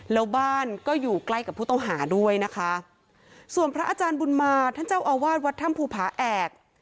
แล้วบ้านก็อยู่ใกล้กับผู้ต้องหาด้วยนะคะส่วนพระอาจารย์บุญมาท่านเจ้าอาวาสวัดถ้ำภูผาแอก